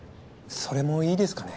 それもいいですかね？